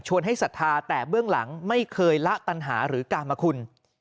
ให้ศรัทธาแต่เบื้องหลังไม่เคยละตัญหาหรือกามคุณ